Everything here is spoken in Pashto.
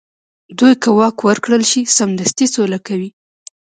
دوی که واک ورکړل شي، سمدستي سوله کوي.